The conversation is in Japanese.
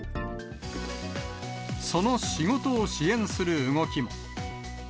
その仕事を支援する動きも。